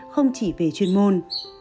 không chỉ về chuyên môn